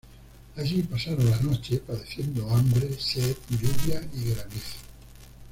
Allí pasaron la noche, padeciendo hambre, sed, lluvia y granizo.